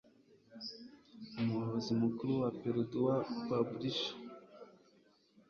Umuyobozi Mukuru wa Perdua Publishers,